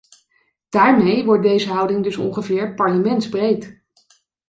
Daarmee wordt deze houding dus ongeveer parlementsbreed.